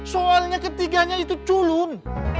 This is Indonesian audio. soalnya ketiganya itu culun